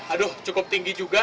aduh cukup tinggi juga